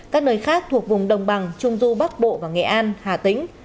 các nơi khác thuộc vùng đồng bằng trung du bắc bộ và nghệ an hà tĩnh